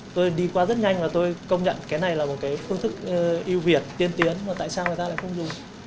tôi đi qua rất nhanh và tôi công nhận cái này là một cái phương thức yêu việt tiên tiến mà tại sao người ta lại không dùng